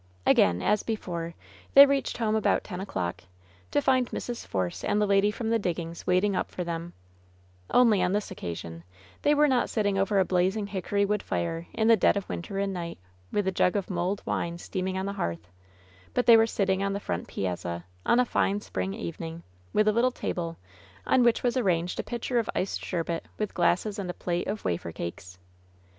Again, as before, they reached home about ten o'clock, to find Mrs. Force and the lady from the diggings wait ing up for them — only on this occasion they were not sitting over a blazing hickory wood fire, in the dead of winter and night, with a jug of mulled wine steaming on the hearth ; but they were sitting on the front piazza, on a fine spring evening, with a little table, on which was arranged a pitched of iced sherbet, with glasses and a plate of wafer cakes.